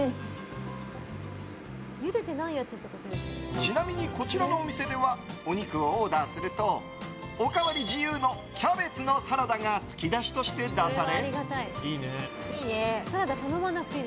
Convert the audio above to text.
ちなみに、こちらのお店ではお肉をオーダーするとおかわり自由のキャベツのサラダが突き出しとして出され。